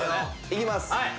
いきます。